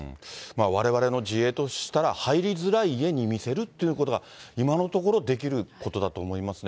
われわれの自衛としたら、入りづらい家に見せるっていうことが、今のところ、できることだと思いますね。